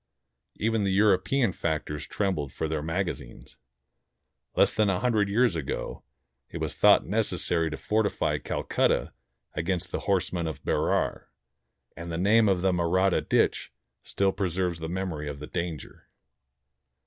Even the Euro pean factors trembled for their magazines. Less than a hundred years ago, it was thought necessary to fortify Calcutta against the horsemen of Berar; and the name of the Mahratta ditch still preserves the memory of the danger.